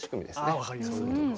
あ分かりやすい。